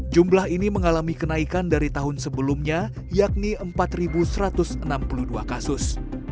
jumlah ini mengalami kenaikan dari tahun sebelumnya yakni empat satu ratus enam puluh dua kasus